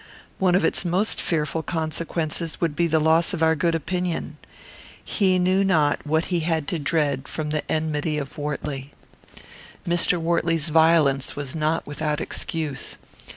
One of its most fearful consequences would be the loss of our good opinion. He knew not what he had to dread from the enmity of Wortley. Mr. Wortley's violence was not without excuse.